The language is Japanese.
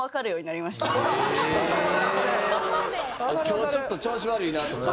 今日ちょっと調子悪いなとか。